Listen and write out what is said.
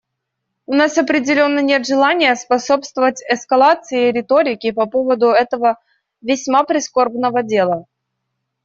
У нас определенно нет желания способствовать эскалации риторики по поводу этого весьма прискорбного дела.